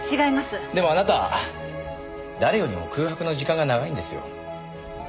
でもあなたは誰よりも空白の時間が長いんですよ。